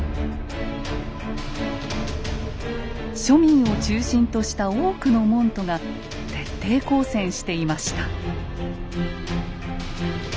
庶民を中心とした多くの門徒が徹底抗戦していました。